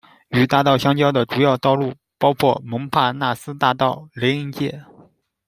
与大道相交的主要道路包括蒙帕纳斯大道、雷恩街。